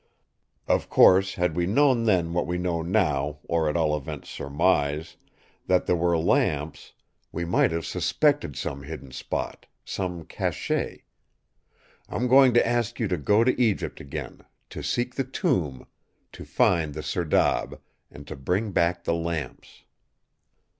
Of course, had we known then what we now know or at all events surmise, that there were lamps, we might have suspected some hidden spot, some cachet. I am going to ask you to go out to Egypt again; to seek the tomb; to find the serdab; and to bring back the lamps!